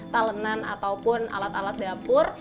talenan ataupun alat alat dapur